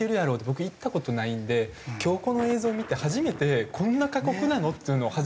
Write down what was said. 僕行った事ないんで今日この映像を見て初めてこんな過酷なの？っていうのを初めて知った。